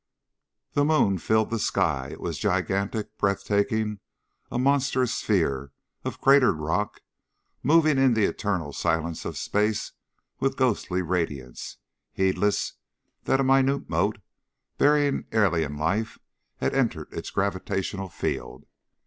The moon filled the sky. It was gigantic, breath taking, a monstrous sphere of cratered rock moving in the eternal silence of space with ghostly radiance, heedless that a minute mote bearing alien life had entered its gravitational field.